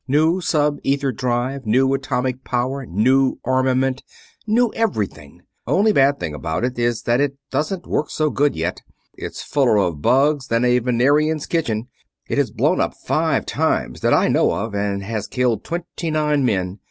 New sub ether drive, new atomic power, new armament, new everything. Only bad thing about it is that it doesn't work so good yet it's fuller of bugs than a Venerian's kitchen. It has blown up five times that I know of, and has killed twenty nine men.